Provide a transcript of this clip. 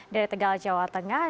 dari tegal jawa tengah